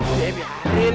udah ya biarin